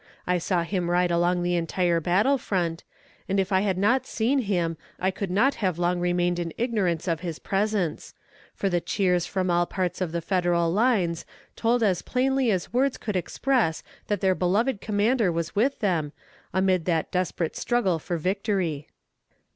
I saw him ride along the entire battle front, and if I had not seen him, I could not have long remained in ignorance of his presence for the cheers from all parts of the Federal lines told as plainly as words could express that their beloved commander was with them, amid that desperate struggle for victory.